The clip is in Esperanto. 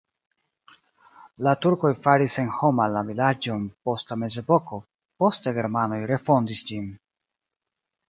La turkoj faris senhoma la vilaĝon post la mezepoko, poste germanoj refondis ĝin.